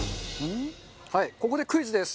はいここでクイズです。